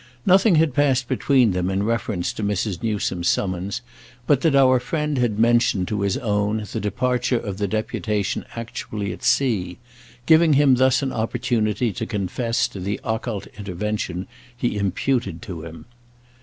Nothing had passed between them in reference to Mrs. Newsome's summons but that our friend had mentioned to his own the departure of the deputation actually at sea—giving him thus an opportunity to confess to the occult intervention he imputed to him.